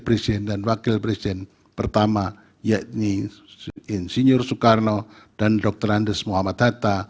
presiden dan wakil presiden pertama yakni insinyur soekarno dan dr andes muhammad hatta